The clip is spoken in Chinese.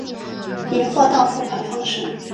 以货到付款方式